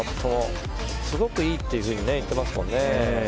すごくいいというふうに言っていますからね。